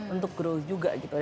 untuk grow juga gitu